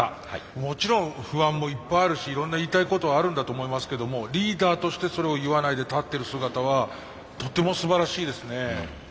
もちろん不安もいっぱいあるしいろんな言いたいことはあるんだと思いますけどもリーダーとしてそれを言わないで立ってる姿はとてもすばらしいですね。